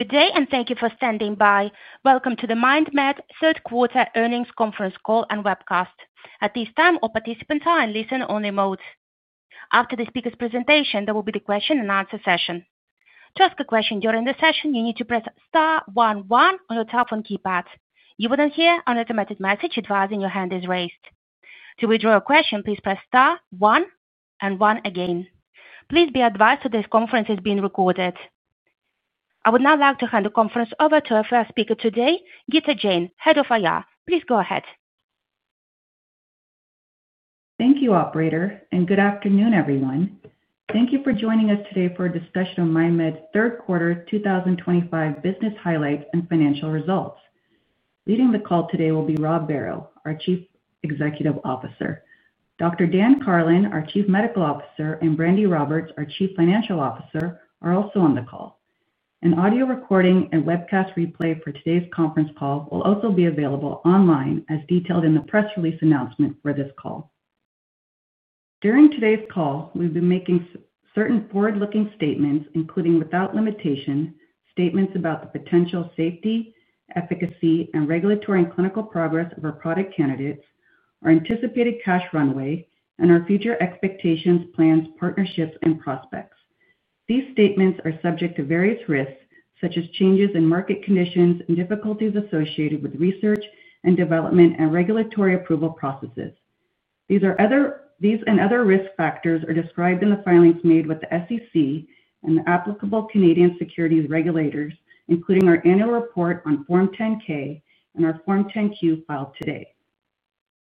Good day, and thank you for standing by. Welcome to the MindMed third-quarter earnings conference call and webcast. At this time, all participants are in listen-only mode. After the speaker's presentation, there will be the question and answer session. To ask a question during the session, you need to press Star one one on your telephone keypad. You will then hear an automated message advising your hand is raised. To withdraw a question, please press Star one and one again. Please be advised that this conference is being recorded. I would now like to hand the conference over to our first speaker today, Gita Jain, Head of IR. Please go ahead. Thank you, Operator, and good afternoon, everyone. Thank you for joining us today for a discussion on MindMed third-quarter 2025 business highlights and financial results. Leading the call today will be Rob Barrow, our Chief Executive Officer. Dr. Dan Karlin, our Chief Medical Officer, and Brandi Roberts, our Chief Financial Officer, are also on the call. An audio recording and webcast replay for today's conference call will also be available online, as detailed in the press release announcement for this call. During today's call, we've been making certain forward-looking statements, including without limitation statements about the potential safety, efficacy, and regulatory and clinical progress of our product candidates, our anticipated cash runway, and our future expectations, plans, partnerships, and prospects. These statements are subject to various risks, such as changes in market conditions and difficulties associated with research and development and regulatory approval processes. These and other risk factors are described in the filings made with the SEC and the applicable Canadian securities regulators, including our annual report on Form 10-K and our Form 10-Q filed today.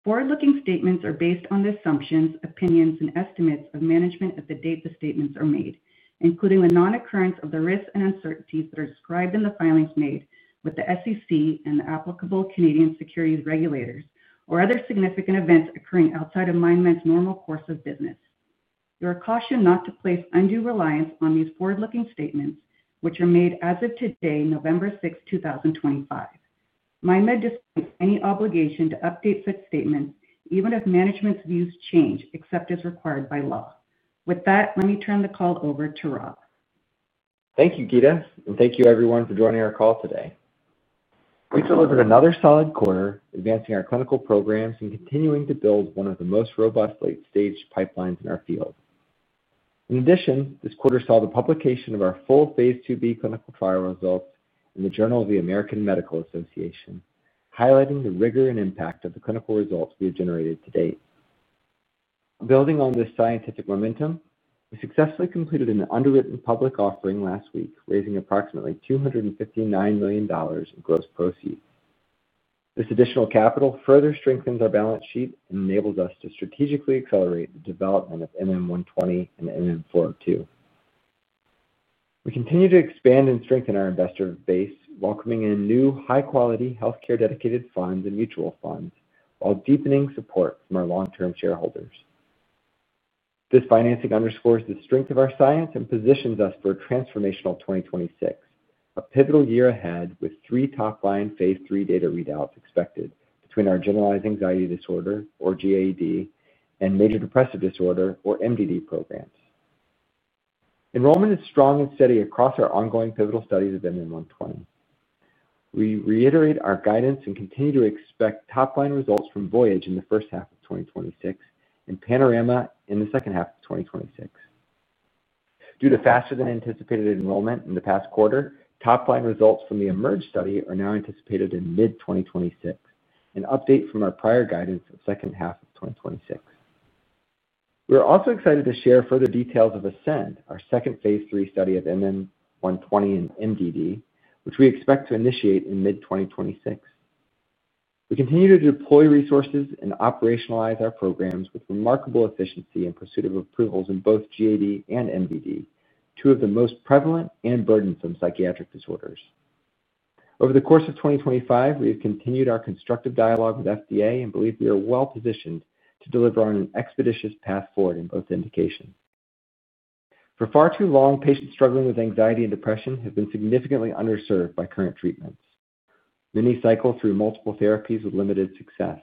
Forward-looking statements are based on the assumptions, opinions, and estimates of management at the date the statements are made, including the non-occurrence of the risks and uncertainties that are described in the filings made with the SEC and the applicable Canadian securities regulators, or other significant events occurring outside of MindMed's normal course of business. You are cautioned not to place undue reliance on these forward-looking statements, which are made as of today, November 6th, 2025. MindMed disclaims any obligation to update such statements, even if management's views change, except as required by law. With that, let me turn the call over to Rob. Thank you, Gita, and thank you, everyone, for joining our call today. We celebrated another solid quarter, advancing our clinical programs and continuing to build one of the most robust late-stage pipelines in our field. In addition, this quarter saw the publication of our full phase II/B clinical trial results in the Journal of the American Medical Association, highlighting the rigor and impact of the clinical results we have generated to date. Building on this scientific momentum, we successfully completed an underwritten public offering last week, raising approximately $259 million in gross proceeds. This additional capital further strengthens our balance sheet and enables us to strategically accelerate the development of MM120 and MM402. We continue to expand and strengthen our investor base, welcoming in new high-quality healthcare-dedicated funds and mutual funds, while deepening support from our long-term shareholders. This financing underscores the strength of our science and positions us for a transformational 2026, a pivotal year ahead with three top-line phase III data readouts expected between our generalized anxiety disorder, or GAD, and major depressive disorder, or MDD, programs. Enrollment is strong and steady across our ongoing pivotal studies of MM120. We reiterate our guidance and continue to expect top-line results from VOYAGE in the first half of 2026 and PANORAMA in the second half of 2026. Due to faster-than-anticipated enrollment in the past quarter, top-line results from the eMERGE study are now anticipated in mid-2026, an update from our prior guidance of the second half of 2026. We are also excited to share further details of ASCEND, our second phase III study of MM120 and MDD, which we expect to initiate in mid-2026. We continue to deploy resources and operationalize our programs with remarkable efficiency in pursuit of approvals in both GAD and MDD, two of the most prevalent and burdensome psychiatric disorders. Over the course of 2025, we have continued our constructive dialogue with the FDA and believe we are well-positioned to deliver on an expeditious path forward in both indications. For far too long, patients struggling with anxiety and depression have been significantly underserved by current treatments, many cycled through multiple therapies with limited success.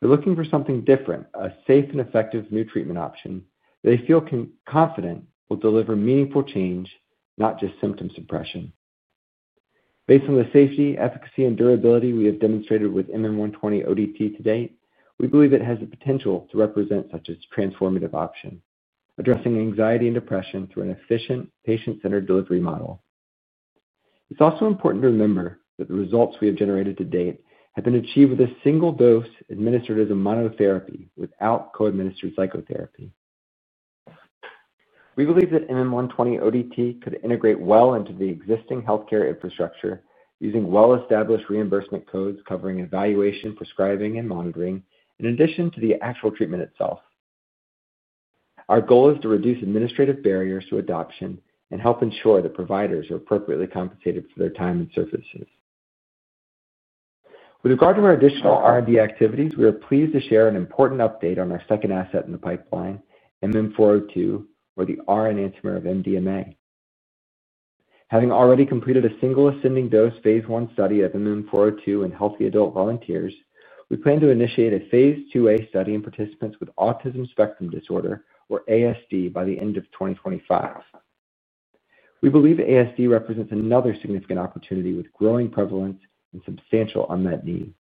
They're looking for something different, a safe and effective new treatment option that they feel can confidently deliver meaningful change, not just symptom suppression. Based on the safety, efficacy, and durability we have demonstrated with MM120 ODT to date, we believe it has the potential to represent such a transformative option, addressing anxiety and depression through an efficient, patient-centered delivery model. It's also important to remember that the results we have generated to date have been achieved with a single dose administered as a monotherapy without co-administered psychotherapy. We believe that MM120 ODT could integrate well into the existing healthcare infrastructure using well-established reimbursement codes covering evaluation, prescribing, and monitoring, in addition to the actual treatment itself. Our goal is to reduce administrative barriers to adoption and help ensure that providers are appropriately compensated for their time and services. With regard to our additional R&D activities, we are pleased to share an important update on our second asset in the pipeline, MM402, or the R-enantiomer of MDMA. Having already completed a single ascending dose phase I study of MM402 in healthy adult volunteers, we plan to initiate a phase II/A study in participants with autism spectrum disorder, or ASD, by the end of 2025. We believe ASD represents another significant opportunity with growing prevalence and substantial unmet need.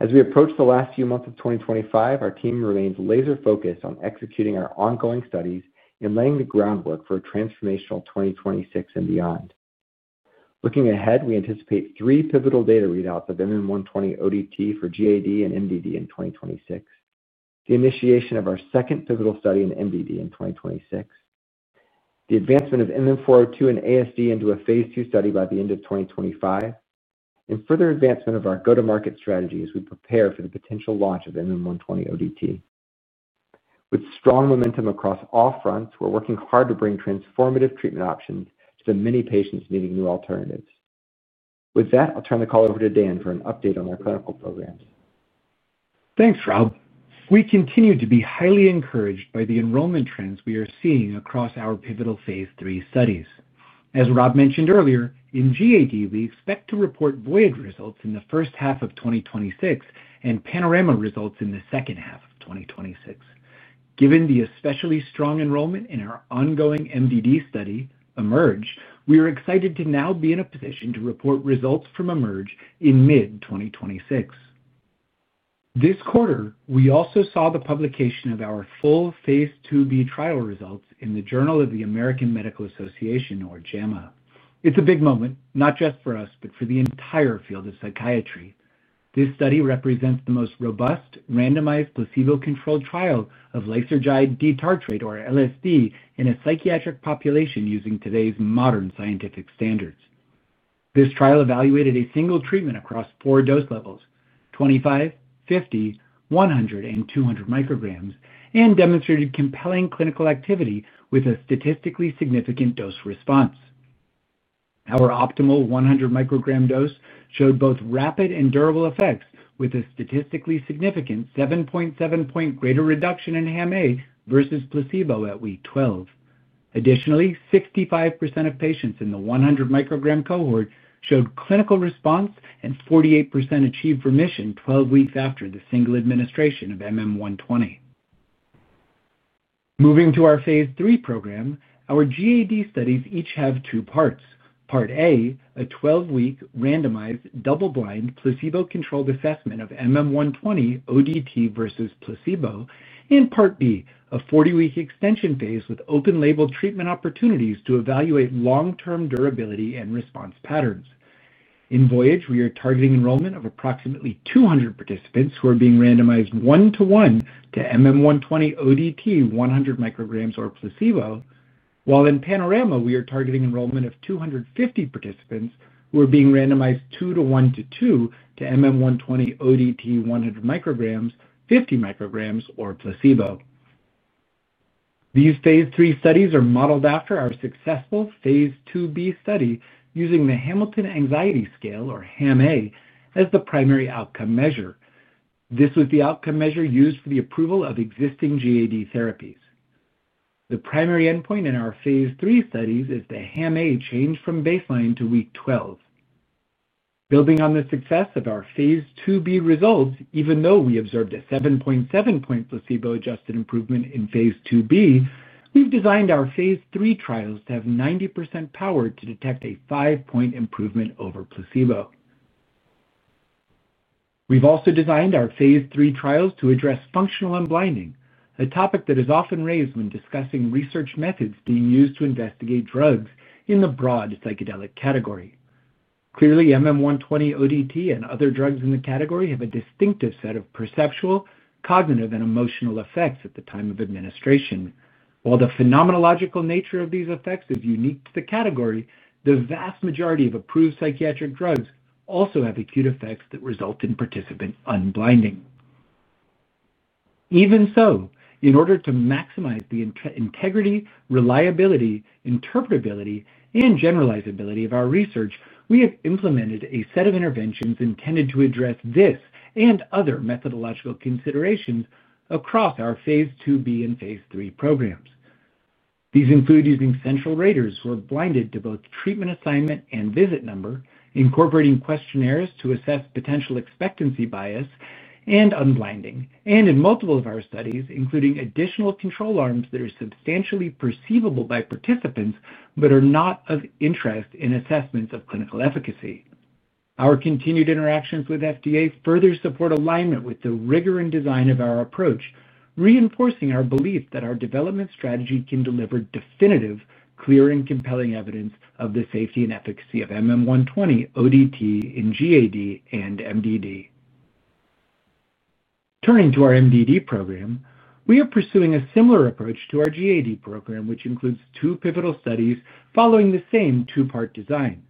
As we approach the last few months of 2025, our team remains laser-focused on executing our ongoing studies and laying the groundwork for a transformational 2026 and beyond. Looking ahead, we anticipate three pivotal data readouts of MM120 ODT for GAD and MDD in 2026, the initiation of our second pivotal study in MDD in 2026, the advancement of MM402 and ASD into a phase II study by the end of 2025, and further advancement of our go-to-market strategy as we prepare for the potential launch of MM120 ODT. With strong momentum across all fronts, we're working hard to bring transformative treatment options to the many patients needing new alternatives. With that, I'll turn the call over to Dan for an update on our clinical programs. Thanks, Rob. We continue to be highly encouraged by the enrollment trends we are seeing across our pivotal phase III studies. As Rob mentioned earlier, in GAD, we expect to report VOYAGE results in the first half of 2026 and PANORAMA results in the second half of 2026. Given the especially strong enrollment in our ongoing MDD study, eMERGE, we are excited to now be in a position to report results from eMERGE in mid-2026. This quarter, we also saw the publication of our full phase II/B trial results in the Journal of the American Medical Association, or JAMA. It's a big moment, not just for us, but for the entire field of psychiatry. This study represents the most robust randomized placebo-controlled trial of lysergide D-tartrate, or LSD, in a psychiatric population using today's modern scientific standards. This trial evaluated a single treatment across four dose levels: 25, 50, 100, and 200 mcg, and demonstrated compelling clinical activity with a statistically significant dose response. Our optimal 100 mcg dose showed both rapid and durable effects with a statistically significant 7.7-point greater reduction in HAM-A versus placebo at week 12. Additionally, 65% of patients in the 100 mcg cohort showed clinical response and 48% achieved remission 12 weeks after the single administration of MM120. Moving to our phase III program, our GAD studies each have two parts. Part A, a 12-week randomized double-blind placebo-controlled assessment of MM120 ODT versus placebo, and Part B, a 40-week extension phase with open-label treatment opportunities to evaluate long-term durability and response patterns. In VOYAGE, we are targeting enrollment of approximately 200 participants who are being randomized one-to-one to MM120 ODT 100 mcg or placebo, while in PANORAMA, we are targeting enrollment of 250 participants who are being randomized two-to-one-to-two to MM120 ODT 100 mcg, 50 mcg, or placebo. These phase III studies are modeled after our successful phase II/B study using the Hamilton Anxiety Scale, or HAM-A, as the primary outcome measure. This was the outcome measure used for the approval of existing GAD therapies. The primary endpoint in our phase III studies is the HAM-A change from baseline to week 12. Building on the success of our phase II/B results, even though we observed a 7.7-point placebo-adjusted improvement in phase II/B, we've designed our phase III trials to have 90% power to detect a 5-point improvement over placebo. We've also designed our phase III trials to address functional blinding, a topic that is often raised when discussing research methods being used to investigate drugs in the broad psychedelic category. Clearly, MM120 ODT and other drugs in the category have a distinctive set of perceptual, cognitive, and emotional effects at the time of administration. While the phenomenological nature of these effects is unique to the category, the vast majority of approved psychiatric drugs also have acute effects that result in participant unblinding. Even so, in order to maximize the integrity, reliability, interpretability, and generalizability of our research, we have implemented a set of interventions intended to address this and other methodological considerations across our phase II/B and phase III programs. These include using central raters who are blinded to both treatment assignment and visit number, incorporating questionnaires to assess potential expectancy bias and unblinding, and in multiple of our studies, including additional control arms that are substantially perceivable by participants but are not of interest in assessments of clinical efficacy. Our continued interactions with the FDA further support alignment with the rigor and design of our approach, reinforcing our belief that our development strategy can deliver definitive, clear, and compelling evidence of the safety and efficacy of MM120 ODT in GAD and MDD. Turning to our MDD program, we are pursuing a similar approach to our GAD program, which includes two pivotal studies following the same two-part design.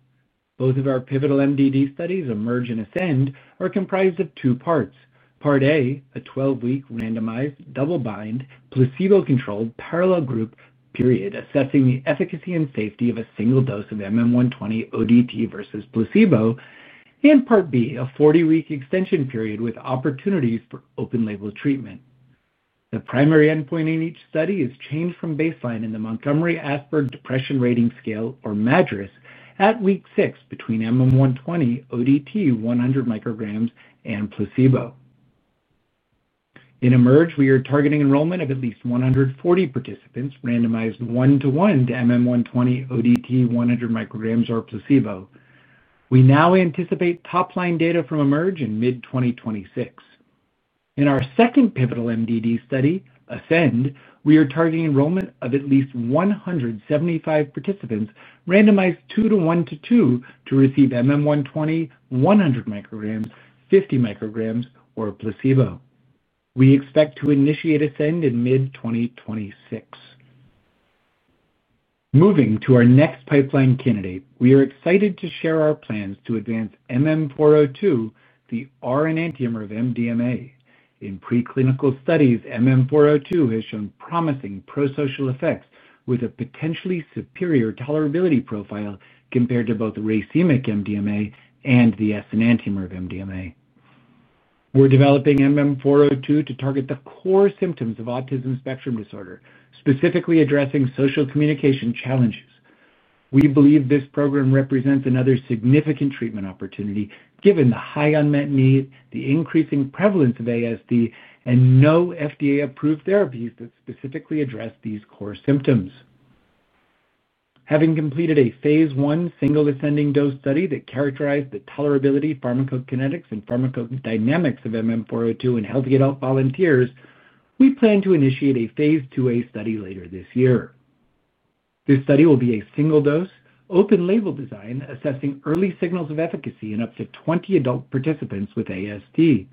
Both of our pivotal MDD studies, eMERGE and ASCEND, are comprised of two parts. Part A, a 12-week randomized double-blind placebo-controlled parallel group period assessing the efficacy and safety of a single dose of MM120 ODT versus placebo, and Part B, a 40-week extension period with opportunities for open-label treatment. The primary endpoint in each study is change from baseline in the Montgomery-Åsberg Depression Rating Scale, or MADRS, at week six between MM120 ODT 100 mcg and placebo. In eMERGE, we are targeting enrollment of at least 140 participants randomized one-to-one to MM120 ODT 100 mcg or placebo. We now anticipate top-line data from eMERGE in mid-2026. In our second pivotal MDD study, ASCEND, we are targeting enrollment of at least 175 participants randomized two-to-one-to-two to receive MM120 100 mcg, 50 mcg, or placebo. We expect to initiate ASCEND in mid-2026. Moving to our next pipeline candidate, we are excited to share our plans to advance MM402, the R-enantiomer of MDMA. In preclinical studies, MM402 has shown promising prosocial effects with a potentially superior tolerability profile compared to both the racemic MDMA and the S enantiomer of MDMA. We're developing MM402 to target the core symptoms of autism spectrum disorder, specifically addressing social communication challenges. We believe this program represents another significant treatment opportunity given the high unmet need, the increasing prevalence of ASD, and no FDA-approved therapies that specifically address these core symptoms. Having completed a phase 1 single ascending dose study that characterized the tolerability, pharmacokinetics, and pharmacodynamics of MM402 in healthy adult volunteers, we plan to initiate a phase II/A study later this year. This study will be a single-dose, open-label design assessing early signals of efficacy in up to 20 adult participants with ASD.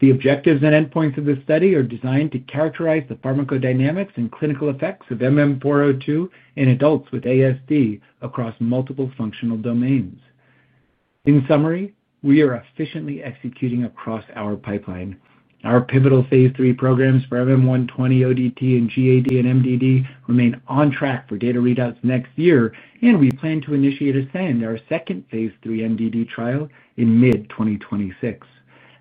The objectives and endpoints of the study are designed to characterize the pharmacodynamics and clinical effects of MM402 in adults with ASD across multiple functional domains. In summary, we are efficiently executing across our pipeline. Our pivotal phase III programs for MM120 ODT and GAD and MDD remain on track for data readouts next year, and we plan to initiate ASCEND, our second phase III MDD trial, in mid-2026.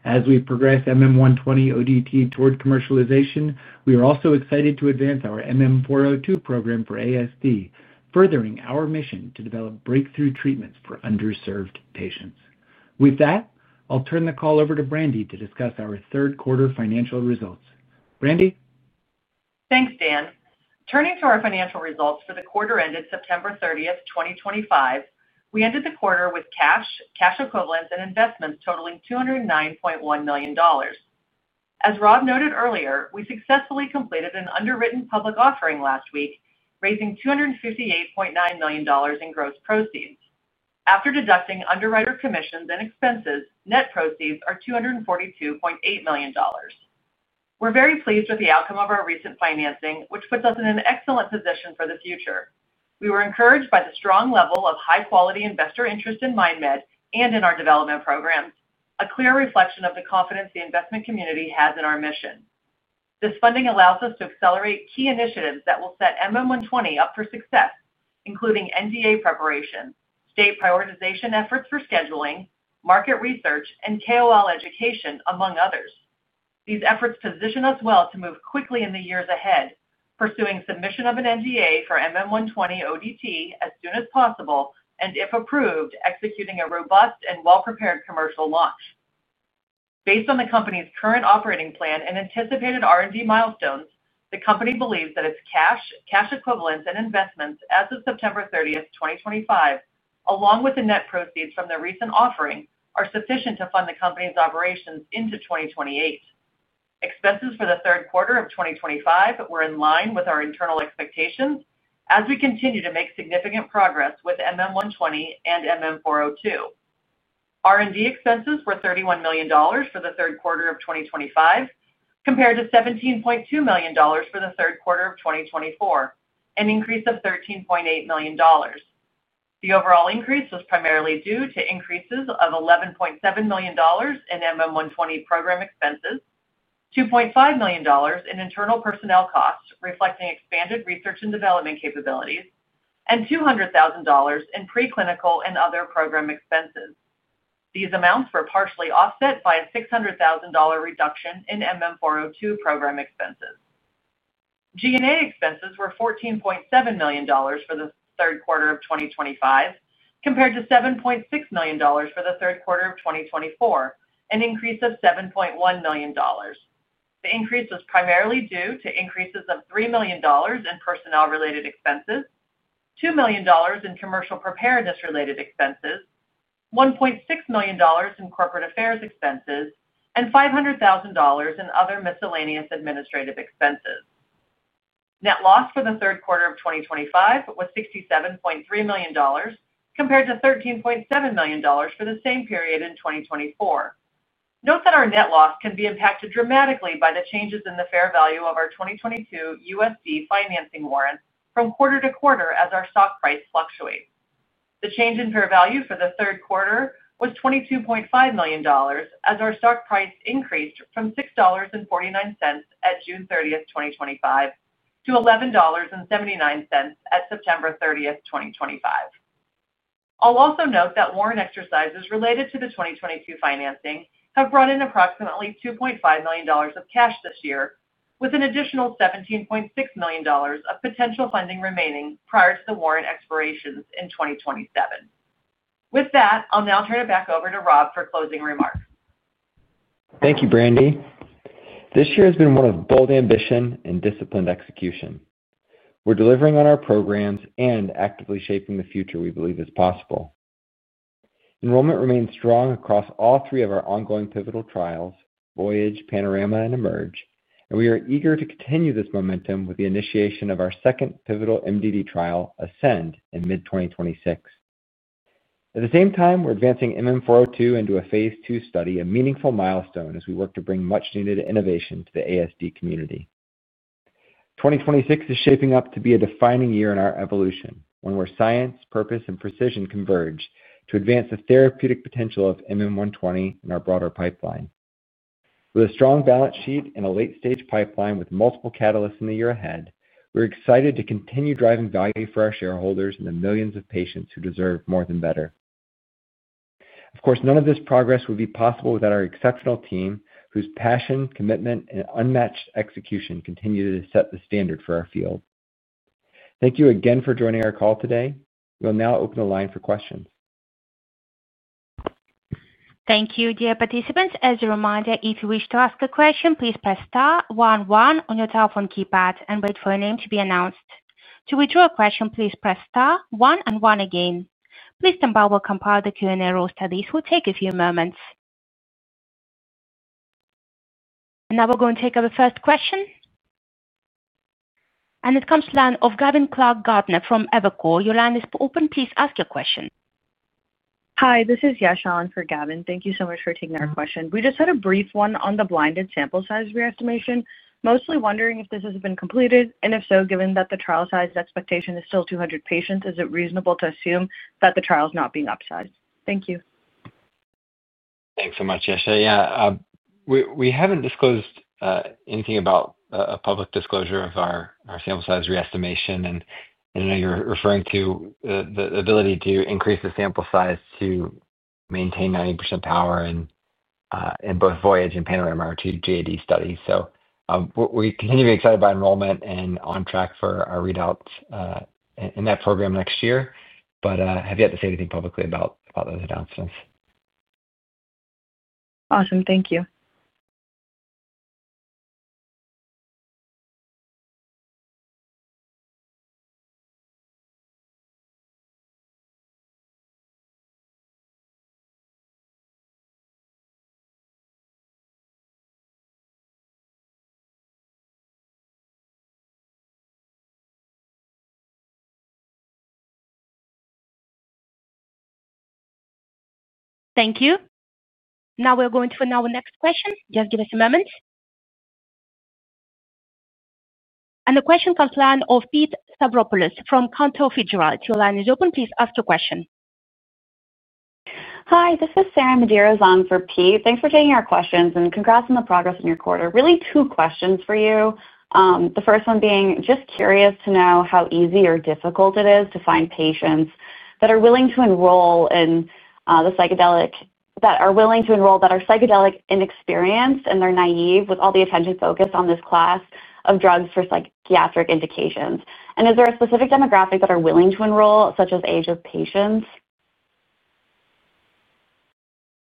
As we progress MM120 ODT toward commercialization, we are also excited to advance our MM402 program for ASD, furthering our mission to develop breakthrough treatments for underserved patients. With that, I'll turn the call over to Brandi to discuss our third-quarter financial results. Brandi? Thanks, Dan. Turning to our financial results for the quarter ended September 30th, 2025, we ended the quarter with cash, cash equivalents, and investments totaling $209.1 million. As Rob noted earlier, we successfully completed an underwritten public offering last week, raising $258.9 million in gross proceeds. After deducting underwriter commissions and expenses, net proceeds are $242.8 million. We're very pleased with the outcome of our recent financing, which puts us in an excellent position for the future. We were encouraged by the strong level of high-quality investor interest in MindMed and in our development programs, a clear reflection of the confidence the investment community has in our mission. This funding allows us to accelerate key initiatives that will set MM120 up for success, including NDA preparation, state prioritization efforts for scheduling, market research, and KOL education, among others. These efforts position us well to move quickly in the years ahead, pursuing submission of an NDA for MM120 ODT as soon as possible, and if approved, executing a robust and well-prepared commercial launch. Based on the company's current operating plan and anticipated R&D milestones, the company believes that its cash, cash equivalents, and investments as of September 30th, 2025, along with the net proceeds from the recent offering, are sufficient to fund the company's operations into 2028. Expenses for the third quarter of 2025 were in line with our internal expectations as we continue to make significant progress with MM120 and MM402. R&D expenses were $31 million for the third quarter of 2025, compared to $17.2 million for the third quarter of 2024, an increase of $13.8 million. The overall increase was primarily due to increases of $11.7 million in MM120 program expenses, $2.5 million in internal personnel costs reflecting expanded research and development capabilities, and $200,000 in preclinical and other program expenses. These amounts were partially offset by a $600,000 reduction in MM402 program expenses. G&A expenses were $14.7 million for the third quarter of 2025, compared to $7.6 million for the third quarter of 2024, an increase of $7.1 million. The increase was primarily due to increases of $3 million in personnel-related expenses, $2 million in commercial preparedness-related expenses, $1.6 million in corporate affairs expenses, and $500,000 in other miscellaneous administrative expenses. Net loss for the third quarter of 2025 was $67.3 million, compared to $13.7 million for the same period in 2024. Note that our net loss can be impacted dramatically by the changes in the fair value of our 2022 USD financing warrant from quarter to quarter as our stock price fluctuates. The change in fair value for the third quarter was $22.5 million as our stock price increased from $6.49 at June 30th, 2025, to $11.79 at September 30th, 2025. I'll also note that warrant exercises related to the 2022 financing have brought in approximately $2.5 million of cash this year, with an additional $17.6 million of potential funding remaining prior to the warrant expirations in 2027. With that, I'll now turn it back over to Rob for closing remarks. Thank you, Brandi. This year has been one of bold ambition and disciplined execution. We're delivering on our programs and actively shaping the future we believe is possible. Enrollment remains strong across all three of our ongoing pivotal trials, VOYAGE, PANORAMA, and eMERGE, and we are eager to continue this momentum with the initiation of our second pivotal MDD trial, ASCEND, in mid-2026. At the same time, we're advancing MM402 into a phase II study, a meaningful milestone as we work to bring much-needed innovation to the ASD community. 2026 is shaping up to be a defining year in our evolution, when science, purpose, and precision converge to advance the therapeutic potential of MM120 in our broader pipeline. With a strong balance sheet and a late-stage pipeline with multiple catalysts in the year ahead, we're excited to continue driving value for our shareholders and the millions of patients who deserve more than better. Of course, none of this progress would be possible without our exceptional team, whose passion, commitment, and unmatched execution continue to set the standard for our field. Thank you again for joining our call today. We'll now open the line for questions. Thank you, dear participants. As a reminder, if you wish to ask a question, please press Star one one on your telephone keypad and wait for your name to be announced. To withdraw a question, please press Star one and one again. Please stand by while we compile the Q&A roll, so this will take a few moments. Now we are going to take our first question. It comes from Gavin Clark-Gardner from Evercore. Your line is open. Please ask your question. Hi, this is Yasha for Gavin. Thank you so much for taking our question. We just had a brief one on the blinded sample size re-estimation. Mostly wondering if this has been completed, and if so, given that the trial size expectation is still 200 patients, is it reasonable to assume that the trial is not being upsized? Thank you. Thanks so much, Yasha. Yeah, we haven't disclosed anything about a public disclosure of our sample size re-estimation, and I know you're referring to the ability to increase the sample size to maintain 90% power in both VOYAGE and PANORAMA or two GAD studies. We continue to be excited by enrollment and on track for our readouts in that program next year, but I have yet to say anything publicly about those announcements. Awesome. Thank you. Thank you. Now we're going to our next question. Just give us a moment. The question comes from Pete Stavropoulos from Cantor Fitzgerald. Your line is open. Please ask your question. Hi, this is Sarah Medeiros on for Pete. Thanks for taking our questions, and congrats on the progress in your quarter. Really two questions for you. The first one being, just curious to know how easy or difficult it is to find patients that are willing to enroll in the psychedelic, that are willing to enroll that are psychedelic inexperienced and they're naive with all the attention focused on this class of drugs for psychiatric indications. Is there a specific demographic that are willing to enroll, such as age of patients?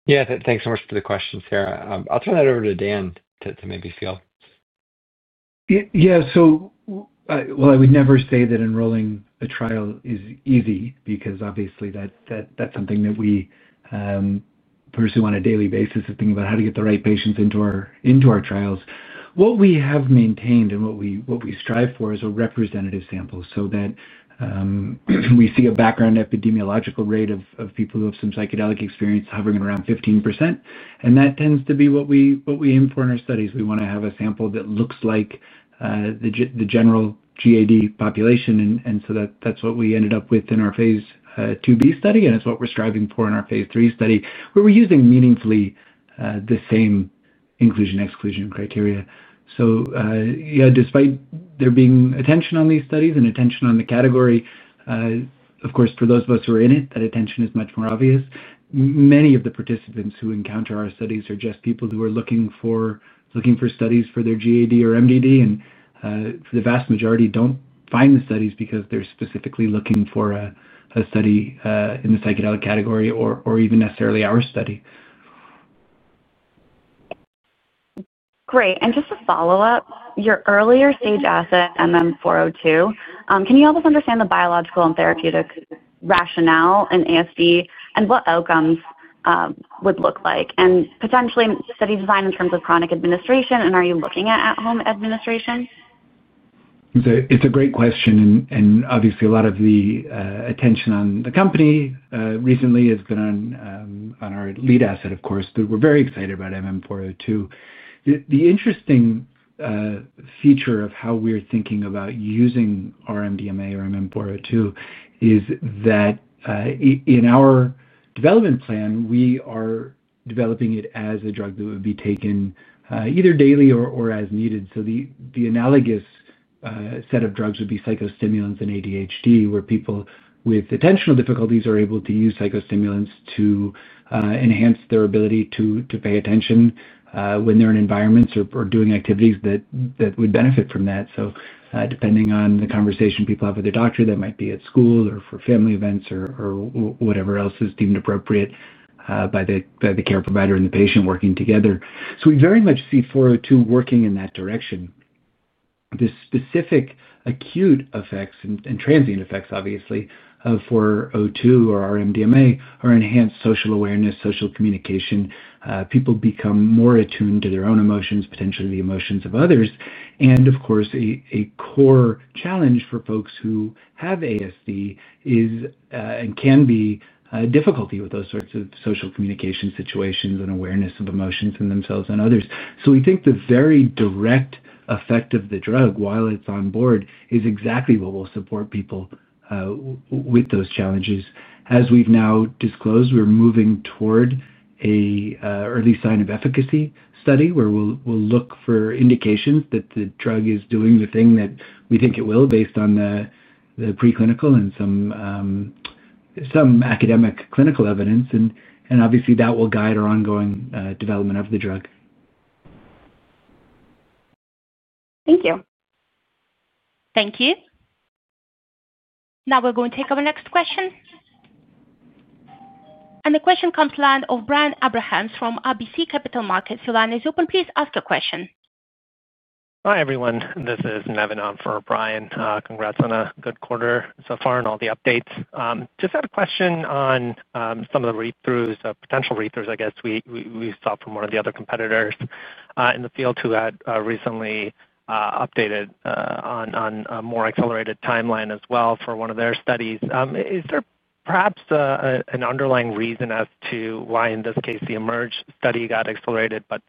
Yeah, thanks so much for the questions, Sarah. I'll turn that over to Dan to maybe feel. Yeah, so. I would never say that enrolling a trial is easy because obviously that's something that we pursue on a daily basis and think about how to get the right patients into our trials. What we have maintained and what we strive for is a representative sample so that we see a background epidemiological rate of people who have some psychedelic experience hovering around 15%, and that tends to be what we aim for in our studies. We want to have a sample that looks like the general GAD population, and so that's what we ended up with in our phase II/B study, and it's what we're striving for in our phase III study, where we're using meaningfully the same inclusion/exclusion criteria. Yeah, despite there being attention on these studies and attention on the category, of course, for those of us who are in it, that attention is much more obvious. Many of the participants who encounter our studies are just people who are looking for studies for their GAD or MDD, and the vast majority do not find the studies because they are specifically looking for a study in the psychedelic category or even necessarily our study. Great. Just to follow up, your earlier stage asset, MM402, can you help us understand the biological and therapeutic rationale in ASD and what outcomes would look like and potentially study design in terms of chronic administration, and are you looking at at-home administration? It's a great question, and obviously a lot of the attention on the company recently has been on our lead asset, of course, that we're very excited about, MM402. The interesting feature of how we're thinking about using our MDMA or MM402 is that in our development plan, we are developing it as a drug that would be taken either daily or as needed. The analogous set of drugs would be psychostimulants and ADHD, where people with attentional difficulties are able to use psychostimulants to enhance their ability to pay attention when they're in environments or doing activities that would benefit from that. Depending on the conversation people have with their doctor, that might be at school or for family events or whatever else is deemed appropriate by the care provider and the patient working together. We very much see 402 working in that direction. The specific acute effects and transient effects, obviously, of 402 or our MDMA are enhanced social awareness, social communication. People become more attuned to their own emotions, potentially the emotions of others. A core challenge for folks who have ASD is, and can be, difficulty with those sorts of social communication situations and awareness of emotions in themselves and others. We think the very direct effect of the drug while it's on board is exactly what will support people with those challenges. As we've now disclosed, we're moving toward an early sign of efficacy study where we'll look for indications that the drug is doing the thing that we think it will, based on the preclinical and some academic clinical evidence, and obviously that will guide our ongoing development of the drug. Thank you. Thank you. Now we're going to take our next question. The question comes from Brian Abrahams from RBC Capital Markets. Your line is open. Please ask your question. Hi everyone. This is Nevin on for Brian. Congrats on a good quarter so far and all the updates. Just had a question on some of the read-throughs, potential read-throughs, I guess we saw from one of the other competitors in the field who had recently updated on a more accelerated timeline as well for one of their studies. Is there perhaps an underlying reason as to why in this case the eMERGE study got accelerated but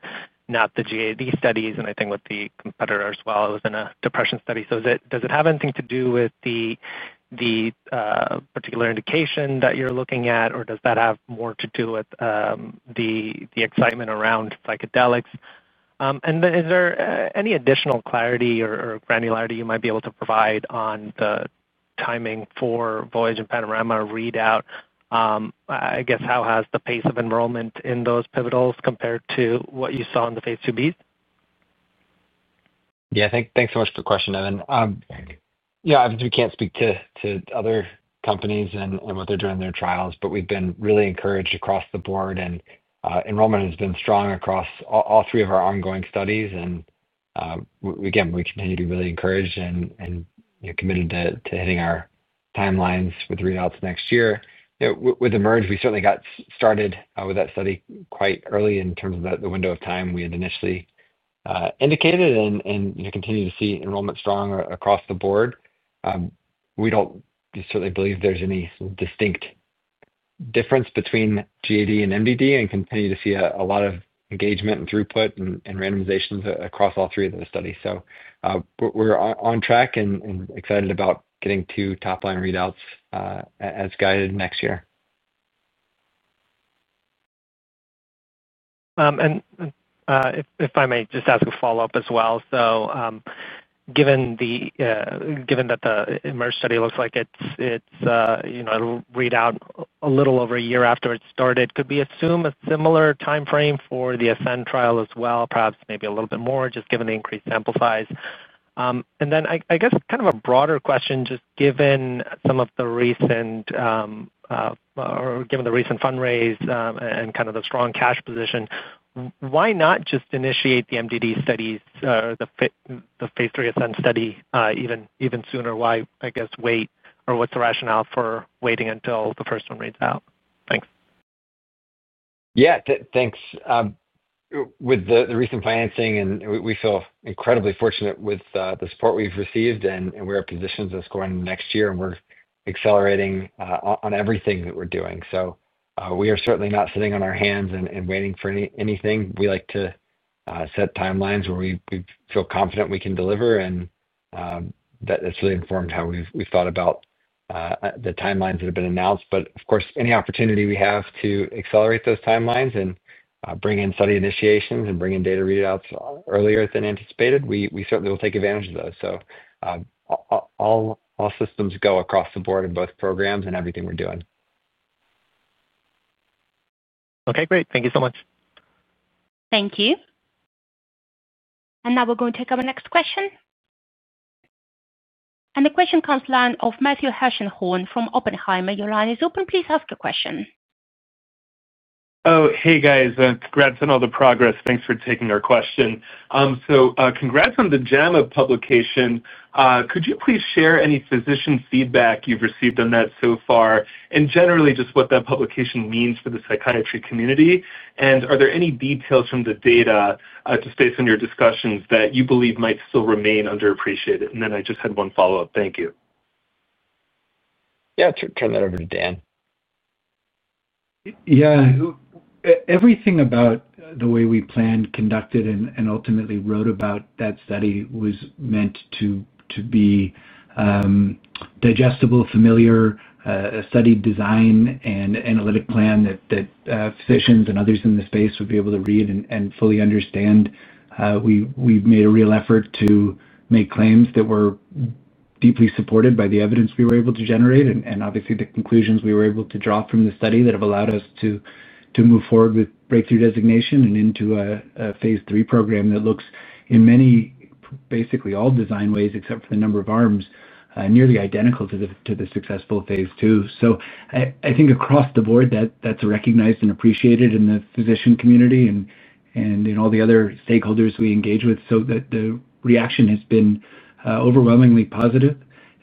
not the GAD studies? I think with the competitor as well, it was in a depression study. Does it have anything to do with the particular indication that you're looking at, or does that have more to do with the excitement around psychedelics? Is there any additional clarity or granularity you might be able to provide on the timing for VOYAGE and PANORAMA readout? I guess how has the pace of enrollment in those pivotals compared to what you saw in the phase II/B? Yeah, thanks so much for the question, Nevin. Yeah, obviously we can't speak to other companies and what they're doing in their trials, but we've been really encouraged across the board, and enrollment has been strong across all three of our ongoing studies. Again, we continue to be really encouraged and committed to hitting our timelines with readouts next year. With eMERGE, we certainly got started with that study quite early in terms of the window of time we had initially indicated and continue to see enrollment strong across the board. We don't certainly believe there's any distinct difference between GAD and MDD and continue to see a lot of engagement and throughput and randomizations across all three of those studies. We're on track and excited about getting two top-line readouts as guided next year. If I may just ask a follow-up as well. Given that the eMERGE study looks like it's a readout a little over a year after it started, could we assume a similar timeframe for the ASCEND trial as well? Perhaps maybe a little bit more just given the increased sample size. I guess kind of a broader question, just given some of the recent, or given the recent fundraise and kind of the strong cash position. Why not just initiate the MDD studies or the phase III ASCEND study even sooner? Why, I guess, wait? Or what's the rationale for waiting until the first one reads out? Thanks. Yeah, thanks. With the recent financing, we feel incredibly fortunate with the support we've received, and we're at positions that's going into next year, and we're accelerating on everything that we're doing. We are certainly not sitting on our hands and waiting for anything. We like to set timelines where we feel confident we can deliver, and that's really informed how we've thought about the timelines that have been announced. Of course, any opportunity we have to accelerate those timelines and bring in study initiations and bring in data readouts earlier than anticipated, we certainly will take advantage of those. All systems go across the board in both programs and everything we're doing. Okay, great. Thank you so much. Thank you. Now we're going to take our next question. The question comes from Matthew Hershenhorn from Oppenheimer. Your line is open. Please ask your question. Oh, hey guys. Congrats on all the progress. Thanks for taking our question. Congrats on the JAMA publication. Could you please share any physician feedback you've received on that so far, and generally just what that publication means for the psychiatry community? Are there any details from the data to state from your discussions that you believe might still remain underappreciated? I just had one follow-up. Thank you. Yeah, turn that over to Dan. Yeah. Everything about the way we planned, conducted, and ultimately wrote about that study was meant to be digestible, familiar, a study design and analytic plan that physicians and others in the space would be able to read and fully understand. We've made a real effort to make claims that were deeply supported by the evidence we were able to generate, and obviously the conclusions we were able to draw from the study that have allowed us to move forward with breakthrough designation and into a phase III program that looks in many, basically all design ways except for the number of arms, nearly identical to the successful phase II. I think across the board, that's recognized and appreciated in the physician community and in all the other stakeholders we engage with. The reaction has been overwhelmingly positive,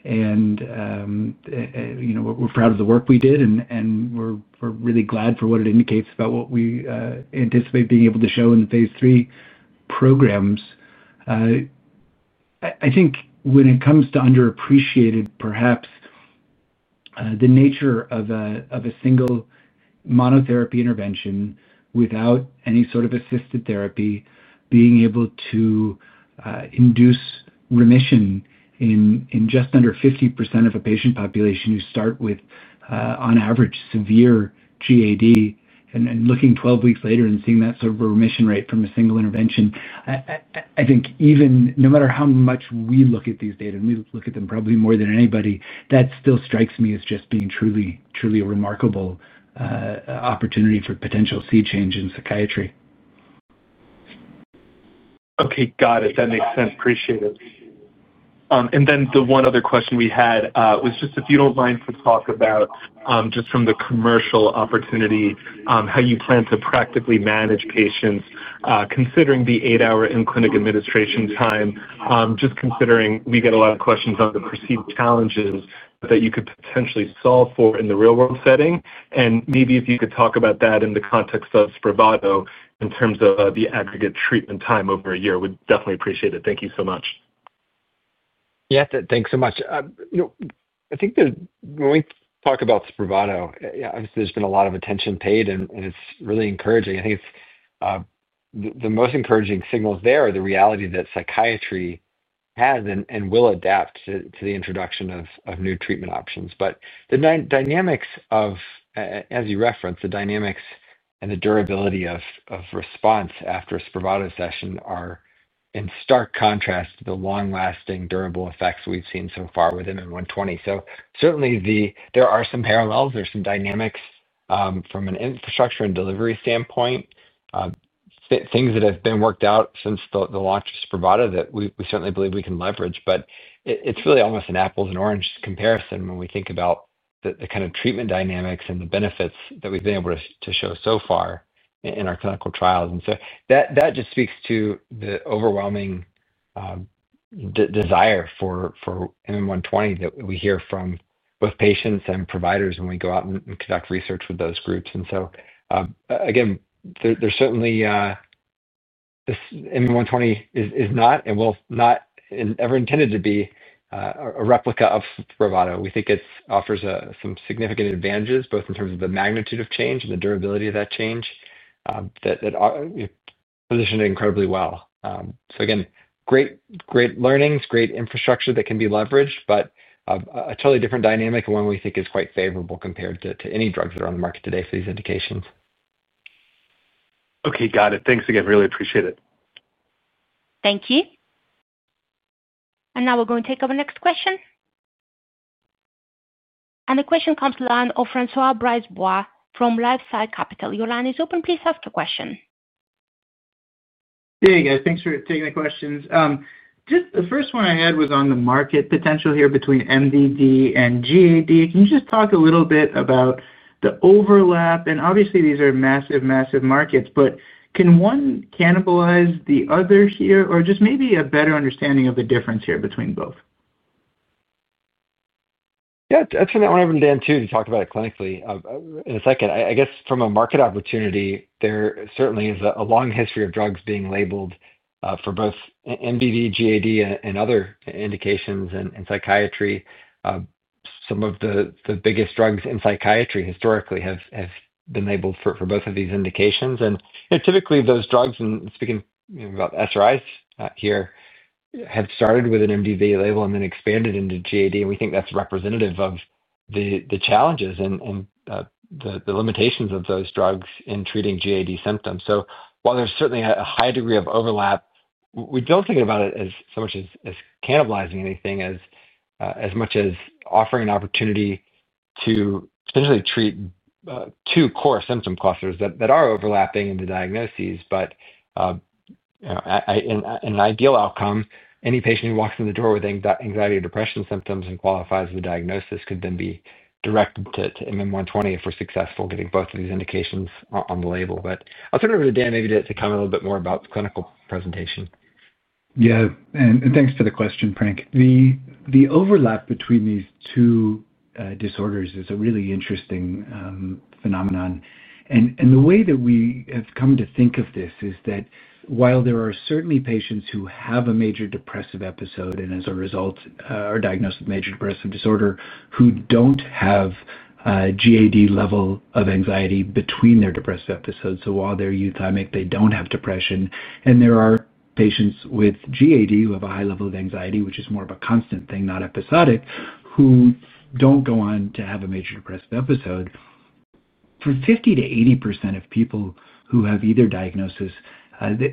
and we're proud of the work we did, and we're really glad for what it indicates about what we anticipate being able to show in the phase III programs. I think when it comes to underappreciated, perhaps. The nature of a single monotherapy intervention without any sort of assisted therapy being able to induce remission in just under 50% of a patient population who start with, on average, severe GAD, and looking 12 weeks later and seeing that sort of a remission rate from a single intervention, I think even no matter how much we look at these data, and we look at them probably more than anybody, that still strikes me as just being truly a remarkable opportunity for potential sea change in psychiatry. Okay, got it. That makes sense. Appreciate it. The one other question we had was just if you do not mind to talk about just from the commercial opportunity, how you plan to practically manage patients considering the eight-hour in-clinic administration time, just considering we get a lot of questions on the perceived challenges that you could potentially solve for in the real-world setting. Maybe if you could talk about that in the context of Spravato in terms of the aggregate treatment time over a year, we would definitely appreciate it. Thank you so much. Yeah, thanks so much. I think that when we talk about Spravato, obviously there's been a lot of attention paid, and it's really encouraging. I think the most encouraging signals there are the reality that psychiatry has and will adapt to the introduction of new treatment options. The dynamics of, as you referenced, the dynamics and the durability of response after a Spravato session are in stark contrast to the long-lasting durable effects we've seen so far with MM120. Certainly there are some parallels. There are some dynamics from an infrastructure and delivery standpoint, things that have been worked out since the launch of Spravato that we certainly believe we can leverage. It's really almost an apples and oranges comparison when we think about the kind of treatment dynamics and the benefits that we've been able to show so far in our clinical trials. That just speaks to the overwhelming desire for MM120 that we hear from both patients and providers when we go out and conduct research with those groups. Again, MM120 is not and will not ever be intended to be a replica of Spravato. We think it offers some significant advantages both in terms of the magnitude of change and the durability of that change. That positions it incredibly well. Again, great learnings, great infrastructure that can be leveraged, but a totally different dynamic and one we think is quite favorable compared to any drugs that are on the market today for these indications. Okay, got it. Thanks again. Really appreciate it. Thank you. Now we're going to take our next question. The question comes from François Brisebois from LifeSci Company. Your line is open. Please ask your question. Hey, guys. Thanks for taking the questions. Just the first one I had was on the market potential here between MDD and GAD. Can you just talk a little bit about the overlap? Obviously, these are massive, massive markets, but can one cannibalize the other here or just maybe a better understanding of the difference here between both? Yeah, I'll turn that one over to Dan too. He talked about it clinically in a second. I guess from a market opportunity, there certainly is a long history of drugs being labeled for both MDD, GAD, and other indications in psychiatry. Some of the biggest drugs in psychiatry historically have been labeled for both of these indications. Typically, those drugs, and speaking about SRIs here, have started with an MDD label and then expanded into GAD, and we think that's representative of the challenges and the limitations of those drugs in treating GAD symptoms. While there's certainly a high degree of overlap, we don't think about it as so much as cannibalizing anything as much as offering an opportunity to potentially treat two core symptom clusters that are overlapping in the diagnoses. In an ideal outcome, any patient who walks in the door with anxiety or depression symptoms and qualifies the diagnosis could then be directed to MM120 if we're successful getting both of these indications on the label. I'll turn it over to Dan maybe to comment a little bit more about the clinical presentation. Yeah. Thanks for the question, Frank. The overlap between these two disorders is a really interesting phenomenon. The way that we have come to think of this is that while there are certainly patients who have a major depressive episode and as a result are diagnosed with major depressive disorder who do not have a GAD level of anxiety between their depressive episodes, while they are euthymic, they do not have depression. There are patients with GAD who have a high level of anxiety, which is more of a constant thing, not episodic, who do not go on to have a major depressive episode. For 50%-80% of people who have either diagnosis,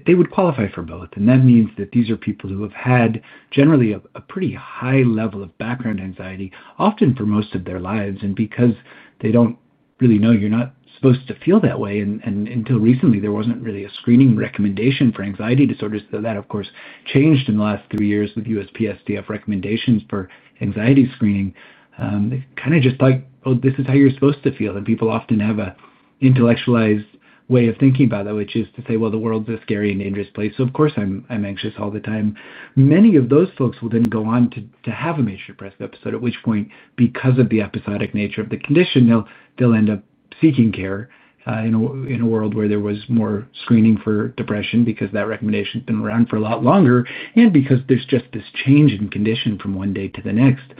they would qualify for both. That means that these are people who have had generally a pretty high level of background anxiety, often for most of their lives. Because they do not really know, you are not supposed to feel that way. Until recently, there was not really a screening recommendation for anxiety disorders. That, of course, changed in the last three years with USPSDF recommendations for anxiety screening. It kind of just like, "Oh, this is how you are supposed to feel." People often have an intellectualized way of thinking about that, which is to say, "Well, the world's a scary and dangerous place. Of course, I am anxious all the time." Many of those folks will then go on to have a major depressive episode, at which point, because of the episodic nature of the condition, they will end up seeking care in a world where there was more screening for depression because that recommendation has been around for a lot longer and because there is just this change in condition from one day to the next.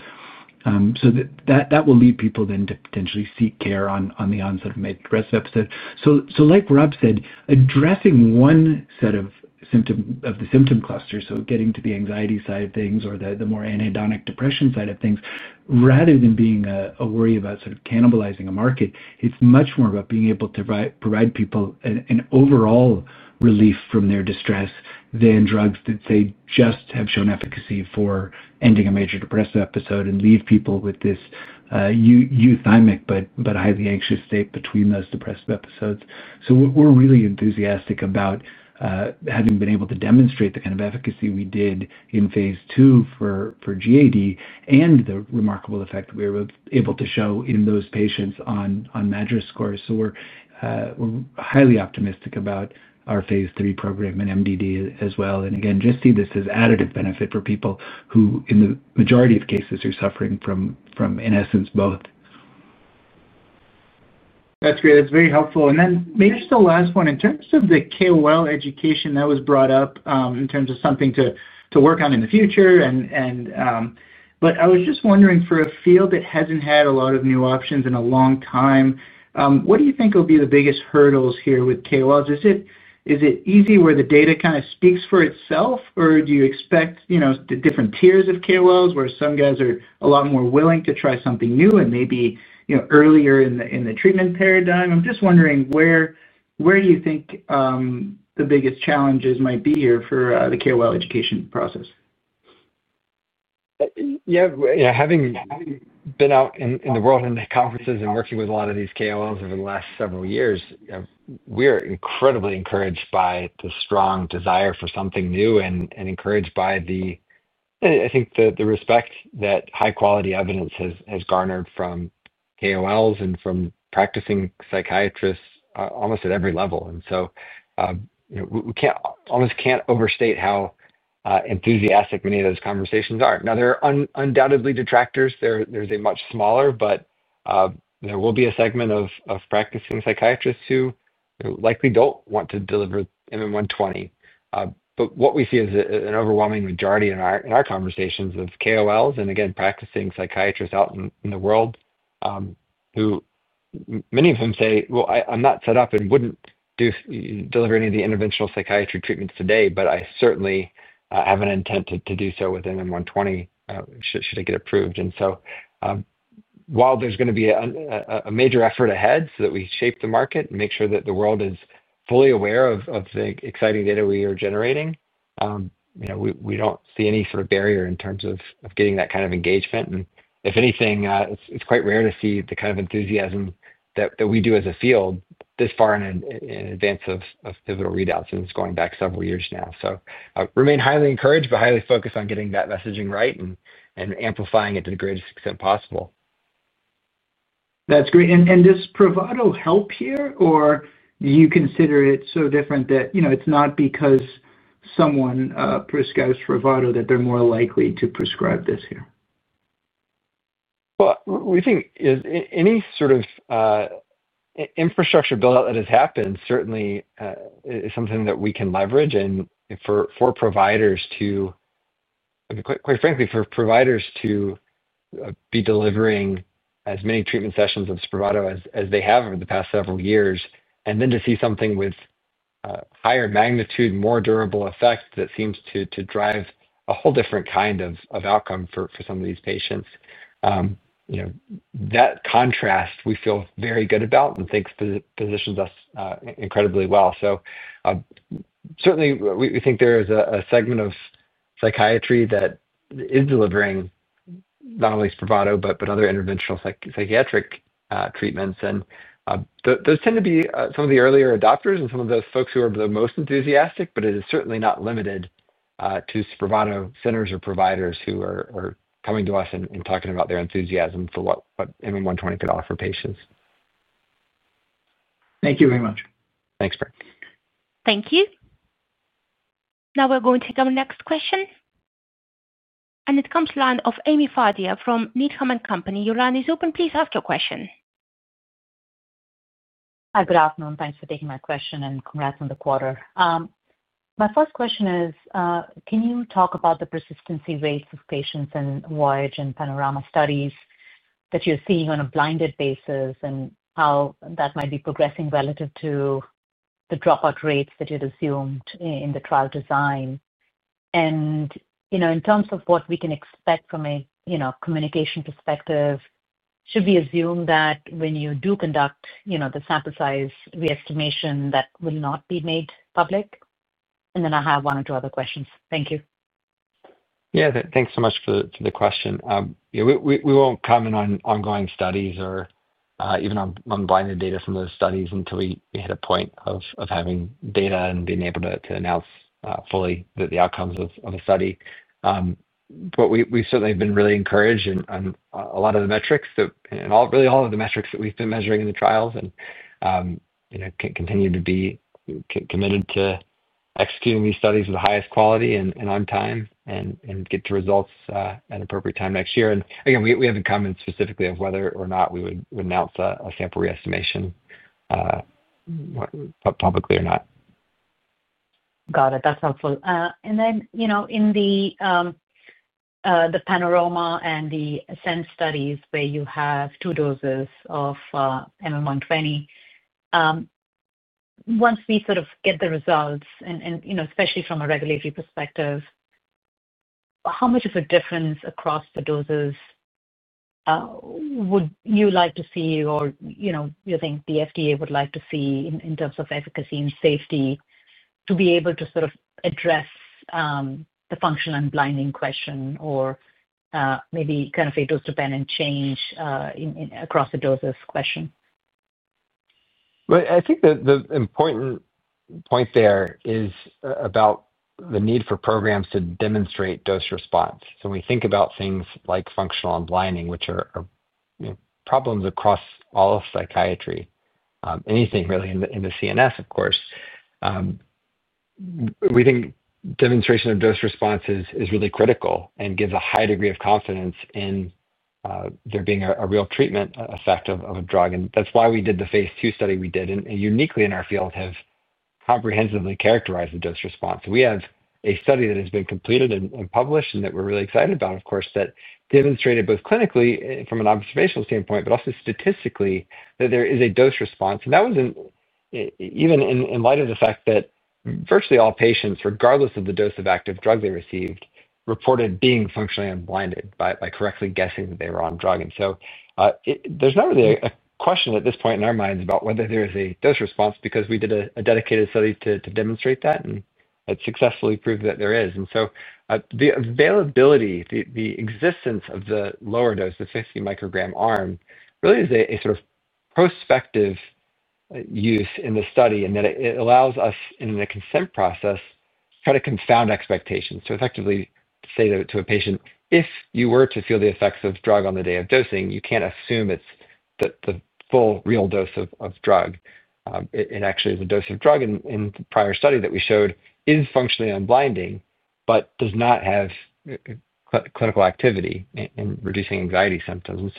That will lead people then to potentially seek care on the onset of a major depressive episode. Like Rob said, addressing one set of the symptom clusters, so getting to the anxiety side of things or the more anhedonic depression side of things, rather than being a worry about sort of cannibalizing a market, it's much more about being able to provide people an overall relief from their distress than drugs that, say, just have shown efficacy for ending a major depressive episode and leave people with this euthymic but highly anxious state between those depressive episodes. We're really enthusiastic about having been able to demonstrate the kind of efficacy we did in phase II for GAD and the remarkable effect we were able to show in those patients on MADRS scores. We're highly optimistic about our phase III program and MDD as well. Just see this as additive benefit for people who in the majority of cases are suffering from, in essence, both. That's great. That's very helpful. Maybe just the last one. In terms of the KOL education that was brought up in terms of something to work on in the future, I was just wondering for a field that hasn't had a lot of new options in a long time, what do you think will be the biggest hurdles here with KOLs? Is it easy where the data kind of speaks for itself, or do you expect different tiers of KOLs where some guys are a lot more willing to try something new and maybe earlier in the treatment paradigm? I'm just wondering where you think the biggest challenges might be here for the KOL education process? Yeah. Having been out in the world and conferences and working with a lot of these KOLs over the last several years, we are incredibly encouraged by the strong desire for something new and encouraged by the, I think, the respect that high-quality evidence has garnered from KOLs and from practicing psychiatrists almost at every level. We almost can't overstate how enthusiastic many of those conversations are. Now, there are undoubtedly detractors. They're much smaller, but there will be a segment of practicing psychiatrists who likely don't want to deliver MM120. What we see is an overwhelming majority in our conversations of KOLs and again, practicing psychiatrists out in the world who. Many of whom say, "I'm not set up and wouldn't deliver any of the interventional psychiatry treatments today, but I certainly have an intent to do so with MM120 should I get approved." While there's going to be a major effort ahead so that we shape the market and make sure that the world is fully aware of the exciting data we are generating, we don't see any sort of barrier in terms of getting that kind of engagement. If anything, it's quite rare to see the kind of enthusiasm that we do as a field this far in advance of pivotal readouts and it's going back several years now. Remain highly encouraged, but highly focused on getting that messaging right and amplifying it to the greatest extent possible. That's great. Does Spravato help here, or do you consider it so different that it's not because someone prescribes Spravato that they're more likely to prescribe this here? We think any sort of infrastructure buildout that has happened certainly is something that we can leverage and for providers to, quite frankly, for providers to be delivering as many treatment sessions of Spravato as they have over the past several years, and then to see something with higher magnitude, more durable effect that seems to drive a whole different kind of outcome for some of these patients. That contrast, we feel very good about and think positions us incredibly well. Certainly, we think there is a segment of psychiatry that is delivering not only Spravato, but other interventional psychiatric treatments. Those tend to be some of the earlier adopters and some of those folks who are the most enthusiastic, but it is certainly not limited to Spravato centers or providers who are coming to us and talking about their enthusiasm for what MM120 could offer patients. Thank you very much. Thanks, Franç. Thank you. Now we're going to take our next question. It comes to the line of Ami Fadia from Needham & Company. Your line is open. Please ask your question. Hi, good afternoon. Thanks for taking my question and congrats on the quarter. My first question is, can you talk about the persistency rates of patients in VOYAGE and PANORAMA studies that you're seeing on a blinded basis and how that might be progressing relative to the dropout rates that you'd assumed in the trial design? In terms of what we can expect from a communication perspective, should we assume that when you do conduct the sample size re-estimation, that will not be made public? I have one or two other questions. Thank you. Yeah. Thanks so much for the question. We won't comment on ongoing studies or even on blinded data from those studies until we hit a point of having data and being able to announce fully the outcomes of a study. We certainly have been really encouraged on a lot of the metrics and really all of the metrics that we've been measuring in the trials and continue to be committed to executing these studies with the highest quality and on time and get the results at an appropriate time next year. Again, we haven't commented specifically on whether or not we would announce a sample re-estimation publicly or not. Got it. That's helpful. In the PANORAMA and the ASCEND studies where you have two doses of MM120, once we sort of get the results, and especially from a regulatory perspective, how much of a difference across the doses would you like to see or you think the FDA would like to see in terms of efficacy and safety to be able to sort of address the functional and blinding question or maybe kind of a dose-dependent change across the doses question? I think the important point there is about the need for programs to demonstrate dose response. When we think about things like functional and blinding, which are problems across all of psychiatry, anything really in the CNS, of course, we think demonstration of dose responses is really critical and gives a high degree of confidence in there being a real treatment effect of a drug. That's why we did the phase II study we did. Uniquely in our field, we have comprehensively characterized the dose response. We have a study that has been completed and published and that we're really excited about, of course, that demonstrated both clinically from an observational standpoint, but also statistically that there is a dose response. That was. Even in light of the fact that virtually all patients, regardless of the dose of active drug they received, reported being functionally unblinded by correctly guessing that they were on drug. There is not really a question at this point in our minds about whether there is a dose response because we did a dedicated study to demonstrate that and had successfully proved that there is. The availability, the existence of the lower dose, the 50 mcg arm, really is a sort of prospective use in the study and that it allows us in the consent process to try to confound expectations. Effectively, to say to a patient, "If you were to feel the effects of drug on the day of dosing, you can't assume it's the full real dose of drug." It actually is a dose of drug in the prior study that we showed is functionally unblinding, but does not have clinical activity in reducing anxiety symptoms.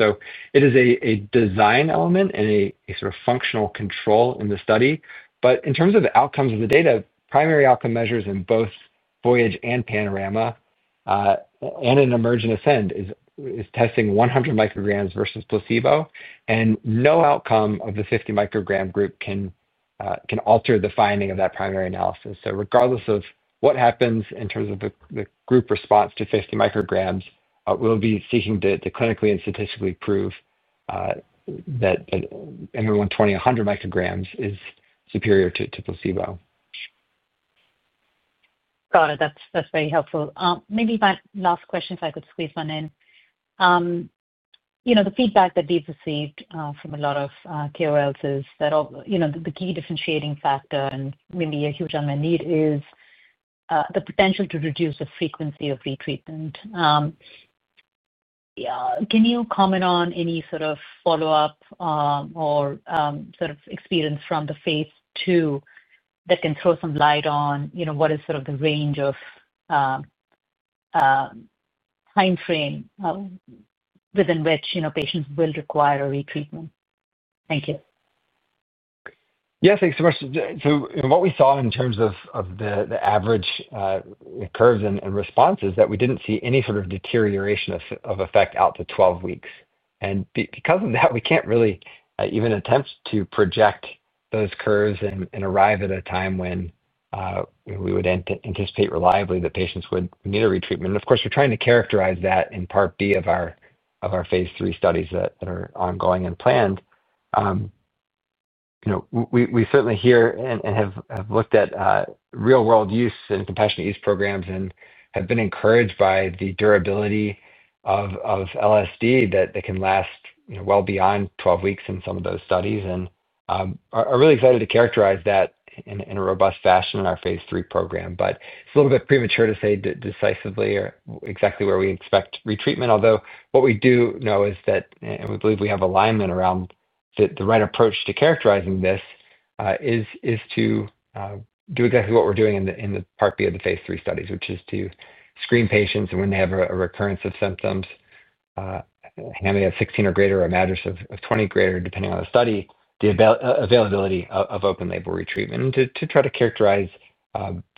It is a design element and a sort of functional control in the study. In terms of the outcomes of the data, primary outcome measures in both VOYAGE and PANORAMA, and in emergent ASCEND, is testing 100 mcg versus placebo. No outcome of the 50 mcg group can alter the finding of that primary analysis. Regardless of what happens in terms of the group response to 50 mcg, we'll be seeking to clinically and statistically prove that MM120, 100 mcg, is superior to placebo. Got it. That's very helpful. Maybe my last question, if I could squeeze one in. The feedback that we've received from a lot of KOLs is that the key differentiating factor and maybe a huge unmet need is the potential to reduce the frequency of retreatment. Can you comment on any sort of follow-up or sort of experience from the phase II that can throw some light on what is sort of the range of timeframe within which patients will require a retreatment? Thank you. Yeah. Thanks so much. What we saw in terms of the average curves and response is that we did not see any sort of deterioration of effect out to 12 weeks. Because of that, we cannot really even attempt to project those curves and arrive at a time when we would anticipate reliably that patients would need a retreatment. Of course, we are trying to characterize that in Part B of our phase III studies that are ongoing and planned. We certainly hear and have looked at real-world use and compassionate use programs and have been encouraged by the durability of LSD that can last well beyond 12 weeks in some of those studies. We are really excited to characterize that in a robust fashion in our phase III program. It is a little bit premature to say decisively exactly where we expect retreatment. Although what we do know is that, and we believe we have alignment around. The right approach to characterizing this is to do exactly what we're doing in the Part B of the phase III studies, which is to screen patients when they have a recurrence of symptoms, and they have 16 or greater or a MADRS of 20 or greater, depending on the study, the availability of open-label retreatment. To try to characterize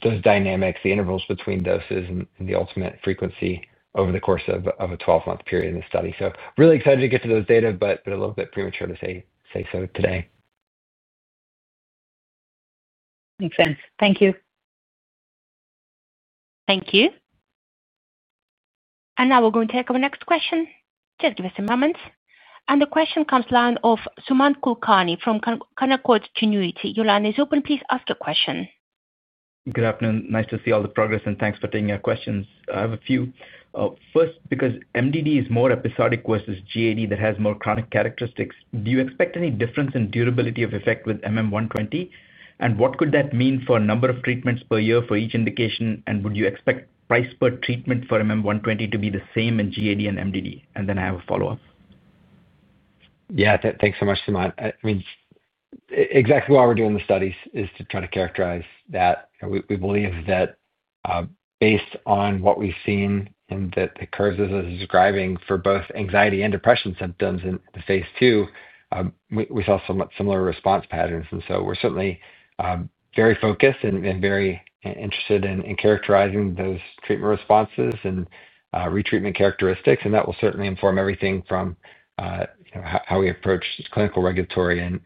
those dynamics, the intervals between doses, and the ultimate frequency over the course of a 12-month period in the study. Really excited to get to those data, but a little bit premature to say so today. Makes sense. Thank you. Thank you. Now we're going to take our next question. Just give us a moment. The question comes to the line of Sumant Kulkarni from Cantor Genuity. Your line is open. Please ask your question. Good afternoon. Nice to see all the progress, and thanks for taking our questions. I have a few. First, because MDD is more episodic versus GAD that has more chronic characteristics, do you expect any difference in durability of effect with MM120? What could that mean for a number of treatments per year for each indication? Would you expect price per treatment for MM120 to be the same in GAD and MDD? I have a follow-up. Yeah. Thanks so much, Sumant. I mean. Exactly why we're doing the studies is to try to characterize that. We believe that based on what we've seen and the curves as I was describing for both anxiety and depression symptoms in the phase II, we saw somewhat similar response patterns. We are certainly very focused and very interested in characterizing those treatment responses and retreatment characteristics. That will certainly inform everything from how we approach clinical, regulatory, and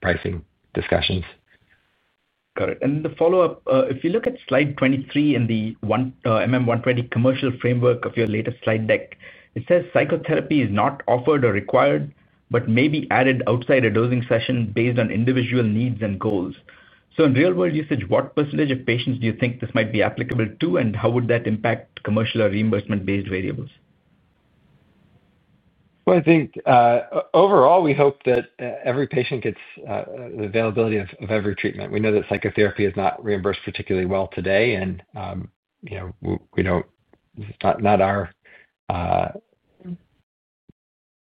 pricing discussions. Got it. The follow-up, if you look at slide 23 in the MM120 commercial framework of your latest slide deck, it says psychotherapy is not offered or required, but may be added outside a dosing session based on individual needs and goals. In real-world usage, what percentage of patients do you think this might be applicable to, and how would that impact commercial or reimbursement-based variables? I think overall, we hope that every patient gets the availability of every treatment. We know that psychotherapy is not reimbursed particularly well today, and we know it's not our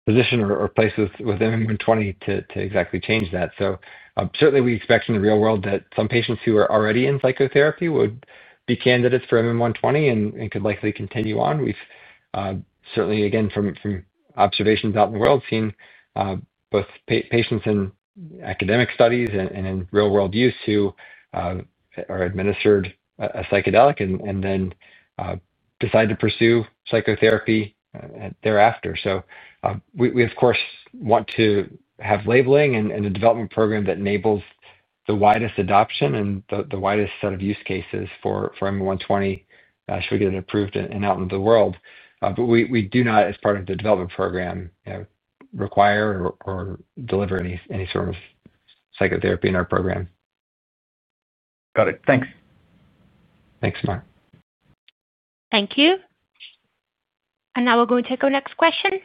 position or place with MM120 to exactly change that. Certainly, we expect in the real world that some patients who are already in psychotherapy would be candidates for MM120 and could likely continue on. We've certainly, again, from observations out in the world, seen both patients in academic studies and in real-world use who are administered a psychedelic and then decide to pursue psychotherapy thereafter. We, of course, want to have labeling and a development program that enables the widest adoption and the widest set of use cases for MM120 should we get it approved and out into the world. We do not, as part of the development program. Require or deliver any sort of psychotherapy in our program. Got it. Thanks. Thanks, Sumant. Thank you. Now we're going to take our next question.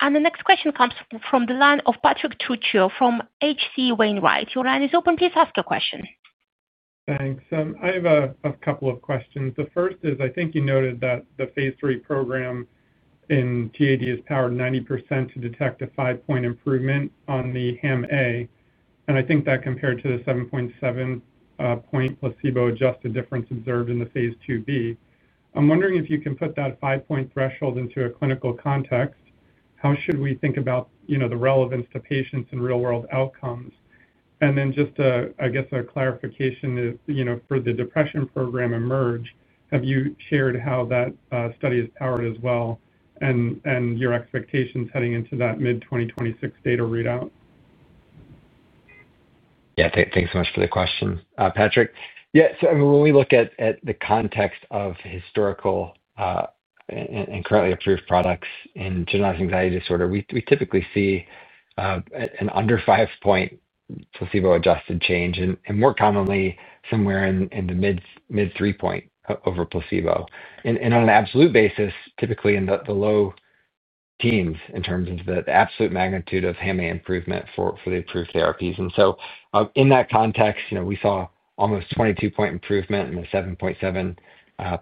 The next question comes from the line of Patrick Trucchio from H.C. Wainwright. Your line is open. Please ask your question. Thanks. I have a couple of questions. The first is, I think you noted that the phase III program in GAD is powered 90% to detect a five-point improvement on the HAM-A. I think that compared to the 7.7-point placebo-adjusted difference observed in the phase II/B. I'm wondering if you can put that five-point threshold into a clinical context. How should we think about the relevance to patients and real-world outcomes? I guess, a clarification for the depression program eMERGE, have you shared how that study is powered as well and your expectations heading into that mid-2026 data readout? Yeah. Thanks so much for the question, Patrick. Yeah. When we look at the context of historical and currently approved products in generalized anxiety disorder, we typically see an under 5-point placebo-adjusted change and more commonly somewhere in the mid-3-point over placebo. On an absolute basis, typically in the low teens in terms of the absolute magnitude of HAM-A improvement for the approved therapies. In that context, we saw almost 22-point improvement and a 7.7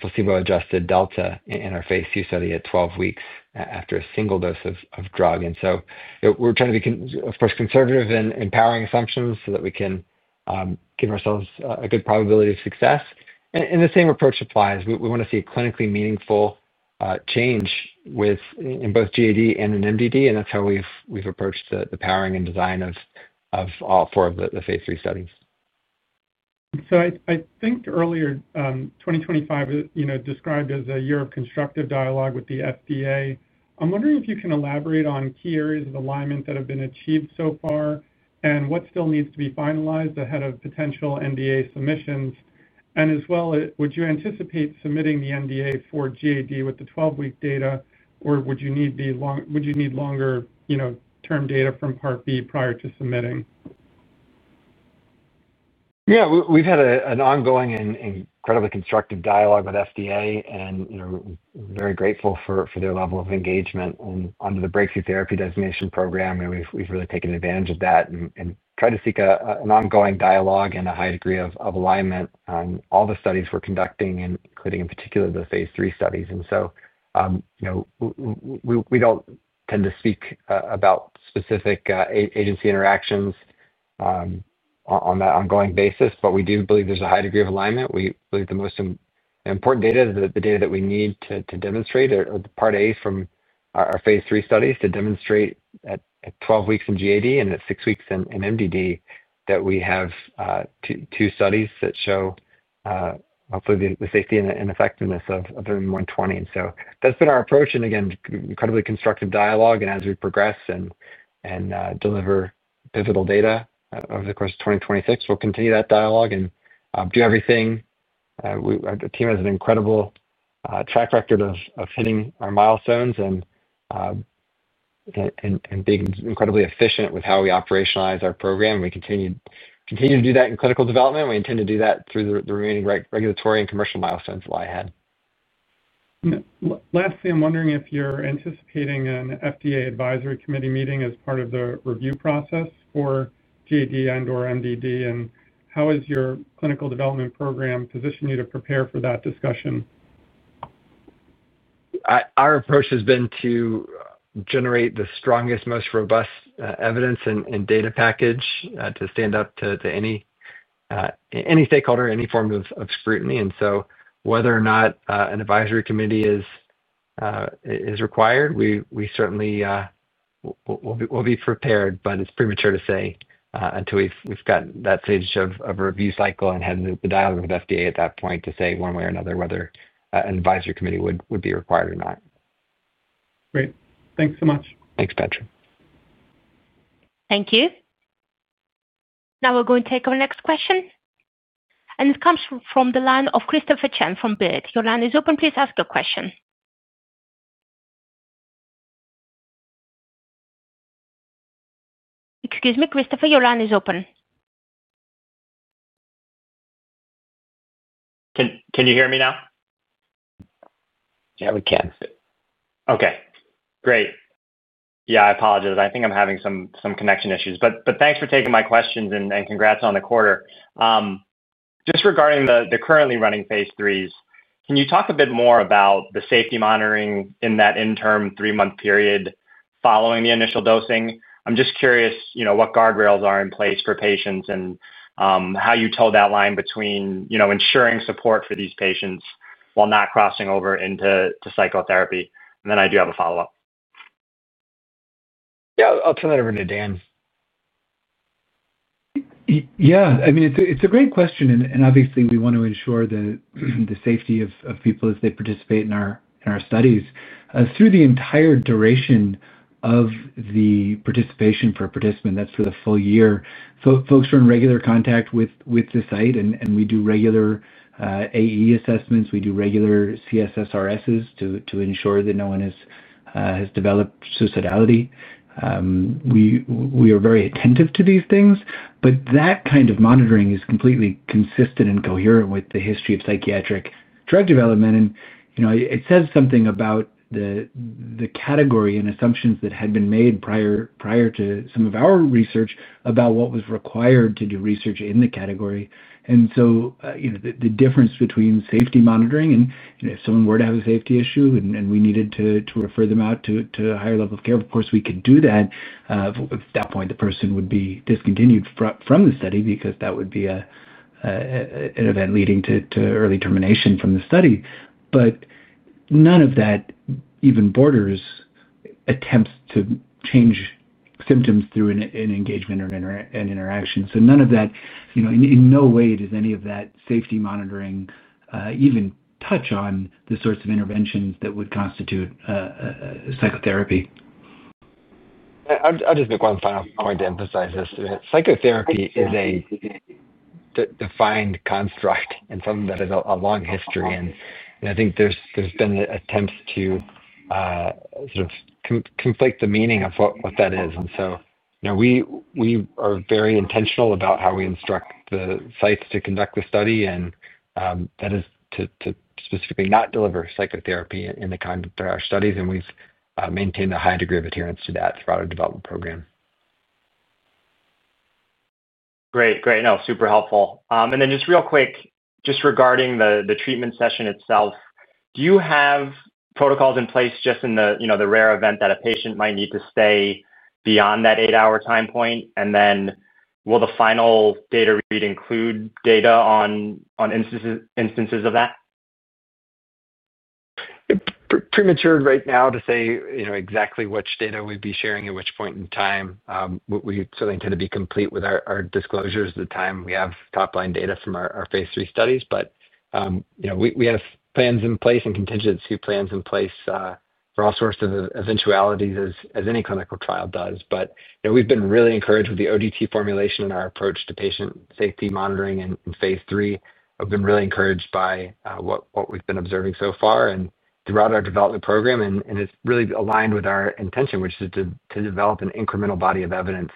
placebo-adjusted delta in our phase II study at 12 weeks after a single dose of drug. We are trying to be, of course, conservative in powering assumptions so that we can give ourselves a good probability of success. The same approach applies. We want to see a clinically meaningful change in both GAD and in MDD. That is how we have approached the powering and design of all four of the phase III studies. I think earlier, 2025 is described as a year of constructive dialogue with the FDA. I'm wondering if you can elaborate on key areas of alignment that have been achieved so far and what still needs to be finalized ahead of potential NDA submissions. As well, would you anticipate submitting the NDA for GAD with the 12-week data, or would you need longer-term data from Part B prior to submitting? Yeah. We've had an ongoing and incredibly constructive dialogue with FDA, and we're very grateful for their level of engagement. Under the Breakthrough Therapy Designation Program, we've really taken advantage of that and tried to seek an ongoing dialogue and a high degree of alignment on all the studies we're conducting, including in particular the phase III studies. We do not tend to speak about specific agency interactions on that ongoing basis, but we do believe there's a high degree of alignment. We believe the most important data is the data that we need to demonstrate, or the Part A from our phase III studies, to demonstrate at 12 weeks in GAD and at six weeks in MDD that we have two studies that show, hopefully, the safety and effectiveness of MM120. That's been our approach. Again, incredibly constructive dialogue. As we progress and Deliver pivotal data over the course of 2026. We'll continue that dialogue and do everything. Our team has an incredible track record of hitting our milestones and being incredibly efficient with how we operationalize our program. We continue to do that in clinical development. We intend to do that through the remaining regulatory and commercial milestones that lie ahead. Lastly, I'm wondering if you're anticipating an FDA advisory committee meeting as part of the review process for GAD and/or MDD. How is your clinical development program positioning you to prepare for that discussion? Our approach has been to generate the strongest, most robust evidence and data package to stand up to any stakeholder, any form of scrutiny. Whether or not an advisory committee is required, we certainly will be prepared, but it's premature to say until we've gotten that stage of review cycle and had the dialogue with FDA at that point to say one way or another whether an advisory committee would be required or not. Great. Thanks so much. Thanks, Patrick. Thank you. Now we're going to take our next question. This comes from the line of Christopher Chen from BILD. Your line is open. Please ask your question. Excuse me, Christopher, your line is open. Can you hear me now? Yeah, we can. Okay. Great. Yeah, I apologize. I think I'm having some connection issues. Thanks for taking my questions and congrats on the quarter. Just regarding the currently running phase IIIs, can you talk a bit more about the safety monitoring in that interim three-month period following the initial dosing? I'm just curious what guardrails are in place for patients and how you toe that line between ensuring support for these patients while not crossing over into psychotherapy. I do have a follow-up. Yeah. I'll turn it over to Dan. Yeah. I mean, it's a great question. Obviously, we want to ensure the safety of people as they participate in our studies. Through the entire duration of the participation for a participant, that's for the full year, folks are in regular contact with the site, and we do regular AE assessments. We do regular CSSRSs to ensure that no one has developed suicidality. We are very attentive to these things, but that kind of monitoring is completely consistent and coherent with the history of psychiatric drug development. It says something about the category and assumptions that had been made prior to some of our research about what was required to do research in the category. The difference between safety monitoring and if someone were to have a safety issue and we needed to refer them out to a higher level of care, of course, we could do that. At that point, the person would be discontinued from the study because that would be an event leading to early termination from the study. None of that even borders attempts to change symptoms through an engagement or an interaction. In no way does any of that safety monitoring even touch on the sorts of interventions that would constitute psychotherapy. I'll just make one final point to emphasize this. Psychotherapy is a defined construct and something that has a long history. I think there's been attempts to sort of conflict the meaning of what that is. We are very intentional about how we instruct the sites to conduct the study, and that is to specifically not deliver psychotherapy in the kind of studies. We've maintained a high degree of adherence to that throughout our development program. Great. Great. No, super helpful. Just real quick, just regarding the treatment session itself, do you have protocols in place just in the rare event that a patient might need to stay beyond that eight-hour time point? Will the final data read include data on instances of that? Premature right now to say exactly which data we'd be sharing at which point in time. We certainly tend to be complete with our disclosures at the time we have top-line data from our phase III studies. We have plans in place and contingency plans in place for all sorts of eventualities as any clinical trial does. We've been really encouraged with the ODT formulation and our approach to patient safety monitoring in phase III. I've been really encouraged by what we've been observing so far and throughout our development program. It's really aligned with our intention, which is to develop an incremental body of evidence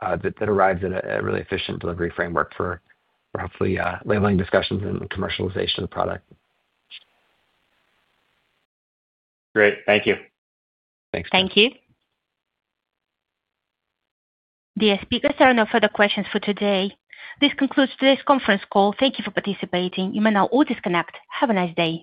that arrives at a really efficient delivery framework for hopefully labeling discussions and commercialization of the product. Great. Thank you. Thanks. Thank you. The speakers have no further questions for today. This concludes today's conference call. Thank you for participating. You may now all disconnect. Have a nice day.